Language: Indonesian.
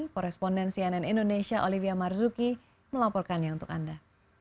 koresponden cnn indonesia olivia marzuki melaporkannya untuk anda